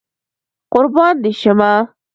قربان دي شمه